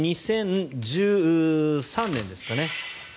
翌年、２０１３年ですかね。